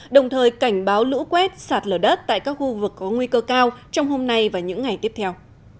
đồng thời cảnh báo lũ quét sạt lở đất tại các khu vực có nguy cơ cao trong hôm nay và những ngày tiếp theo